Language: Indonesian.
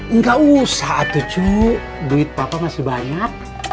enggak usah tuh cu duit papa masih banyak